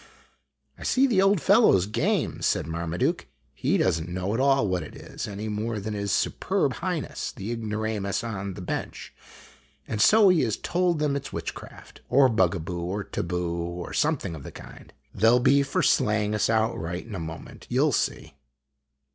" I see the old fellow's crame," said Marmaduke. " He does n't c> know at all what it is, any more than his superb highness the igno ramus on the 'bench. And so he has told them it 's witchcraft, or bugaboo, or taboo, or something of the kind. They '11 be for slaying us outright in a moment, you '11 see."